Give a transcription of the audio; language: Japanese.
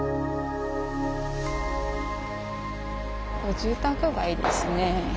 住宅街ですね。